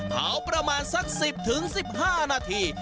เผาประมาณสัก๑๐๑๕นาที